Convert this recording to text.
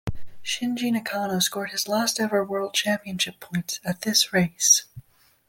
Shinji Nakano scored his last ever world championship points at this race.